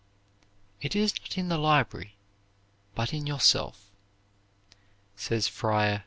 "It is not in the library, but in yourself," says Fr.